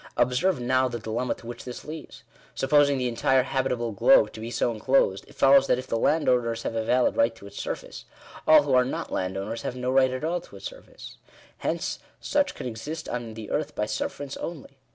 Observe now the dilemma to which this leads. Supposing the entire habitable globe to be so enclosed, it follows that if the landowners have a valid right to its surface, all who are not landowners, have no right at all to its surface. Hence, such can exist on the earth by sufferance only.